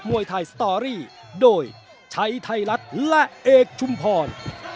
วยไทยสตอรี่โดยชัยไทยรัฐและเอกชุมพร